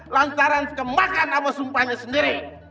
lantaran kemakan atau sumpahnya sendiri